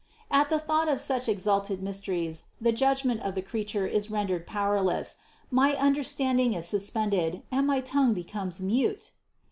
At the thought of such exalted mysteries the judgment of the creature is rendered powerless, my understanding is suspended, and my tongue becomes mute!